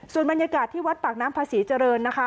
ส่วนบรรยากาศที่วัดปากน้ำภาษีเจริญนะคะ